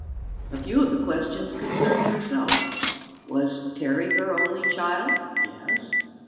A few of the questions concerned herself: Was Terry her only child? ("Yes.")